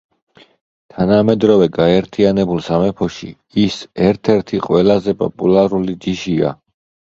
თანამედროვე გაერთიანებულ სამეფოში ის ერთ-ერთი ყველაზე პოპულარული ჯიშია.